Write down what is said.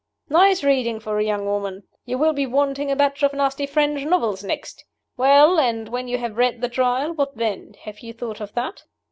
"Nice reading for a young woman! You will be wanting a batch of nasty French novels next. Well, and when you have read the Trial what then? Have you thought of that?"